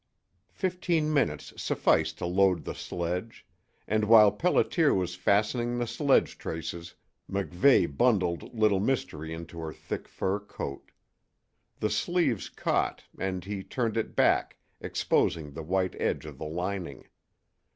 Fifteen minutes sufficed to load the sledge; and while Pelliter was fastening the sledge traces MacVeigh bundled Little Mystery into her thick fur coat. The sleeves caught, and he turned it back, exposing the white edge of the lining.